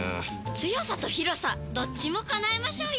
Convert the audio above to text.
強さと広さどっちも叶えましょうよ！